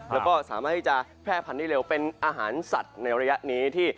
แล้วก็สามารถที่จะแพร่พันธุได้เร็วเป็นอาหารสัตว์ในระยะนี้ที่